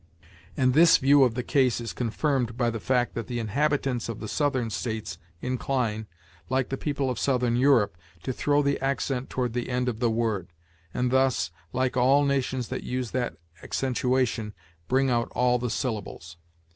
And this view of the case is confirmed by the fact that the inhabitants of the Southern States incline, like the people of southern Europe, to throw the accent toward the end of the word, and thus, like all nations that use that accentuation, bring out all the syllables.